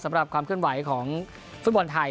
สำหรับความเคลื่อนไหวของฟุตบอลไทย